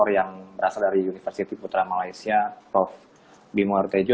yang berasal dari universiti putra malaysia prof bimo r tejo